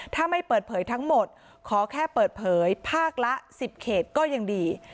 ถ้าไม่เปิดเผยทั้งหมดขอแค่เปิดเผยภาคละ๑๐เขตก็ยังดี